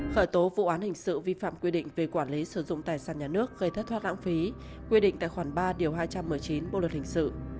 khởi tố vụ án hình sự vi phạm quy định về quản lý sử dụng tài sản nhà nước gây thất thoát lãng phí quy định tại khoản ba điều hai trăm một mươi chín bộ luật hình sự